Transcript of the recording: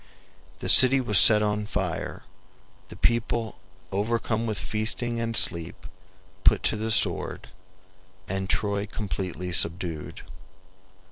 The city was set on fire; the people, overcome with feasting and sleep, put to the sword, and Troy completely subdued.